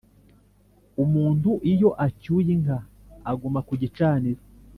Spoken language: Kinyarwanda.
Umuntu iyo acyuye inka aguma ku gicaniro